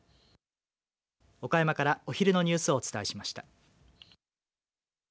岡山からお昼のニュースをお伝えしました。